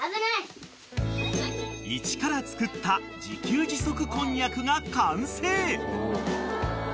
［一から作った自給自足こんにゃくが完成］